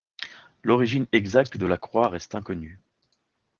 L'origine exacte de la croix reste inconnue.